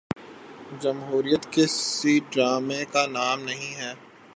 جمہوریت کسی ڈرامے کا نام نہیں ہے۔